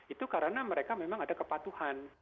itu karena mereka memang ada kepatuhan